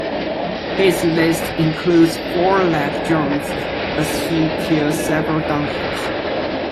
His list includes four-legged "germs" as he kills several donkeys.